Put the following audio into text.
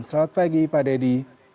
selamat pagi pak dedy